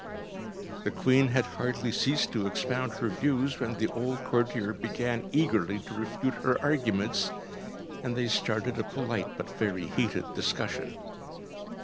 ‚ÄĚ The Queen had hardly ceased to expound her views, when the old courtier began eagerly to refute her arguments, and they started a polite but very heated discussion.